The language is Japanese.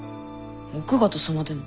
奥方様でも？